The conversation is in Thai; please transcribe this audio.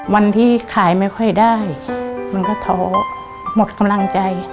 วันที่ขายไม่ค่อยได้มันก็ท้อหมดกำลังใจ